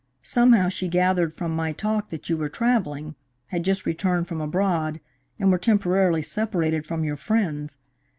Somehow, she gathered from my talk that you were travelling, had just returned from abroad, and were temporarily separated from your friends.